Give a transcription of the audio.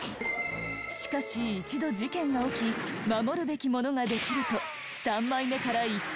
しかし一度事件が起き守るべきものができると三枚目から一転。